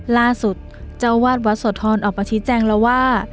ล่าสุดเจ้าวาดวัดโสธรออกมาชี้แจงแล้วว่า